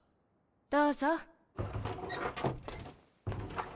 ・どうぞ。